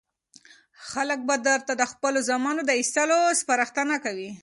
خلک به درته د خپلو زامنو د ایستلو سپارښتنه کوي.